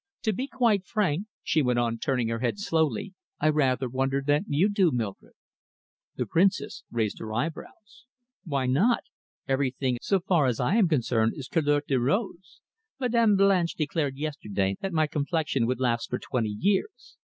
To be quite frank," she went on, turning her head slowly, "I rather wonder that you do, Mildred." The Princess raised her eyebrows. "Why not? Everything, so far as I am concerned, is couleur de rose. Madame Blanche declared yesterday that my complexion would last for twenty years.